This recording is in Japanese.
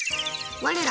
我ら！